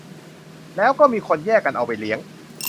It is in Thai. แล้วมีคนแยกกันเอาไปเลี้ยง